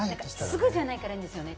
すぐじゃないからいいですよね。